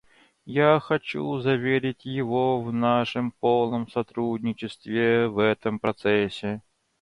Я хочу заверить его в нашем полном сотрудничестве в этом процессе.